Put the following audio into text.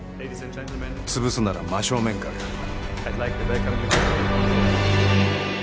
潰すなら真正面からやる。